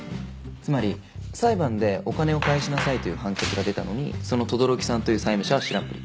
つまり裁判でお金を返しなさいという判決が出たのにその轟木さんという債務者は知らんぷり。